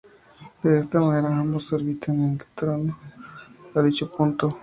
De esta manera ambos orbitan en torno a dicho punto.